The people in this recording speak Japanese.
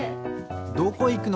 どこいくの？